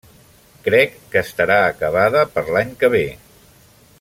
Crec que estarà acabada per l'any que ve.